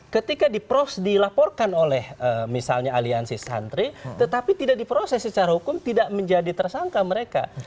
ketika dilaporkan oleh misalnya aliansi santri tetapi tidak diproses secara hukum tidak menjadi tersangka mereka